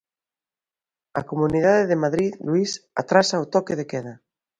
A comunidade de Madrid, Luís, atrasa o toque de queda.